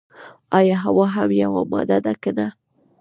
ایا هوا هم یوه ماده ده که نه.